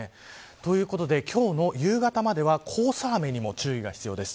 ということで、今日の夕方までは黄砂雨にも注意が必要です。